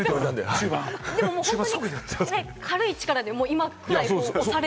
本当に軽い力で今ぐらい押される。